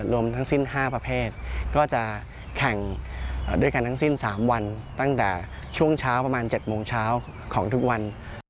รวมทั้งสิ้น๕ประเภทก็จะแข่งด้วยกันทั้งสิ้น๓วันตั้งแต่ช่วงเช้าประมาณ๗โมงเช้าของทุกวัน